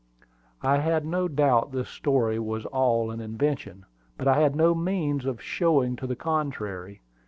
I had no doubt this story was all an invention, but I had no means of showing to the contrary.